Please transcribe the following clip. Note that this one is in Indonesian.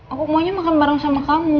aku maunya makan bareng sama kamu